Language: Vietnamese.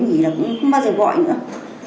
nghỉ là cũng không bao giờ gọi nữa